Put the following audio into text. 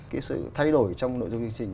cái sự thay đổi trong nội dung chương trình